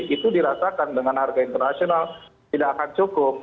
itu dirasakan dengan harga internasional tidak akan cukup